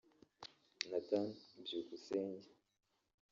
Nathan Byukusenge